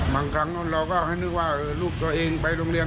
บางครั้งเราก็ให้นึกว่าลูกตัวเองไปโรงเรียน